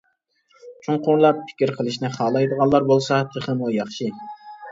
چوڭقۇرلاپ پىكىر قىلىشنى خالايدىغانلار بولسا تېخىمۇ ياخشى.